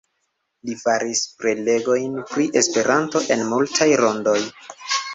Li faris prelegojn pri Esperanto en multaj rondoj.